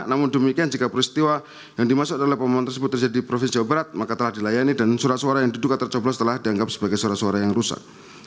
namun demikian jika peristiwa yang dimaksud adalah pemohon tersebut terjadi di provinsi jawa barat maka telah dilayani dan surat suara yang diduga tercoblos telah dianggap sebagai surat suara yang rusak